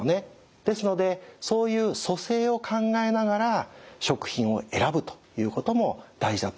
ですのでそういう組成を考えながら食品を選ぶということも大事だと思います。